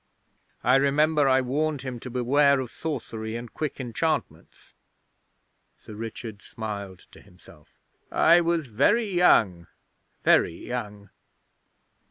I remember I warned him to beware of sorcery and quick enchantments.' Sir Richard smiled to himself. 'I was very young very young!